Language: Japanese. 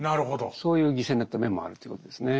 そういう犠牲になった面もあるということですね。